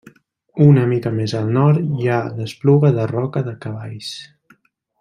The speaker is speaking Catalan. Una mica més al nord hi ha l'Espluga de Roca de Cavalls.